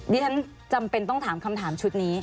ฉันจำเป็นต้องถามคำถามชุดนี้